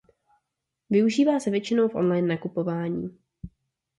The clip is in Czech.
Využívá se většinou v online nakupování.